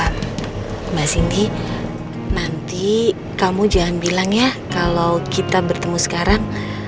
mbak singki nanti kamu jangan bilang ya kalau kita bertemu sekarang